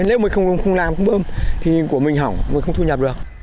nếu mình không làm cũng bơm thì của mình hỏng mình không thu nhập được